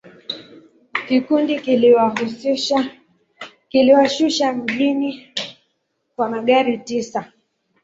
Kikundi kiliwashusha mjini kwa magari tisa.